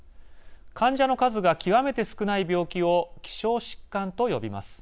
患者の数が極めて少ない病気を希少疾患と呼びます。